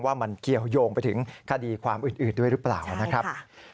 ว่ามันเกี่ยวยงไปถึงคดีความอื่นด้วยหรือเปล่านะครับ